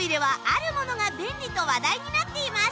と話題になっています